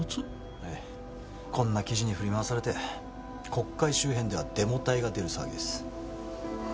ええこんな記事に振り回されて国会周辺ではデモ隊が出る騒ぎです